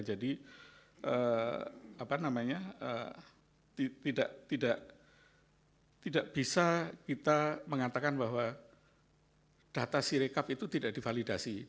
jadi tidak bisa kita mengatakan bahwa data sirikap itu tidak divalidasi